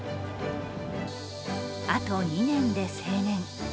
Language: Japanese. あと２年で成年。